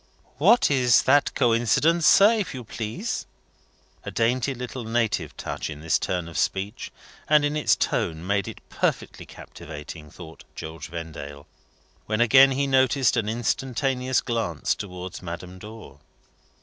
"What is that coincidence, sir, if you please?" A dainty little native touch in this turn of speech, and in its tone, made it perfectly captivating, thought George Vendale, when again he noticed an instantaneous glance towards Madame Dor.